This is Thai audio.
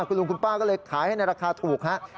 คุณลุงคุณป้าก็เลยขายให้ในราคาถูกครับ